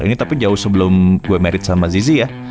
ini tapi jauh sebelum gue merit sama zizi ya